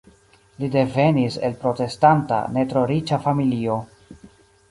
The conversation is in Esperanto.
Li devenis el protestanta ne tro riĉa familio.